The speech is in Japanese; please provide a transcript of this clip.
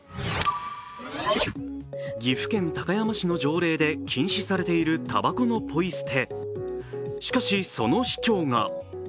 岐阜県高山市の条例で禁止されているたばこのポイ捨て。